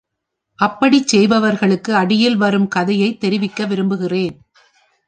அப்படிச் செய்பவர்களுக்கு அடியில் வரும் கதையைத் தெரிவிக்க விரும்புகிறேன்.